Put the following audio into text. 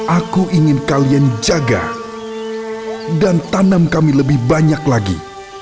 aku ingin kalian jaga dan tanam kami lebih banyak lagi